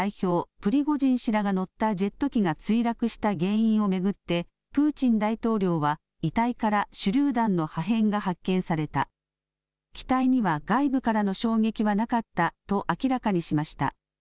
プリゴジン氏らが乗ったジェット機が墜落した原因を巡ってプーチン大統領は、遺体から手りゅう弾の破片が発見された機体には外部からの衝撃はなかったと明らかにしました。